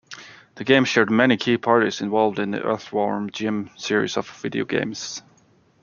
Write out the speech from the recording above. The game shared many key parties involved in "Earthworm Jim" series of video games.